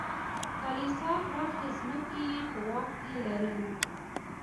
کلیسا پراخې ځمکې یې په واک کې لرلې.